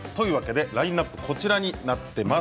ラインナップはこちらになっています。